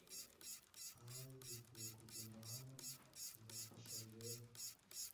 Ahari dukwiye kuguma hano tugafasha Rwema.